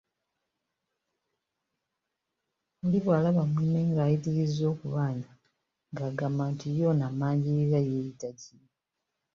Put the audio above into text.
Oli bw'alaba munne ng'ayitirizza okubanja ng'agamba nti, y'ono ammanjirira yeeyita ki?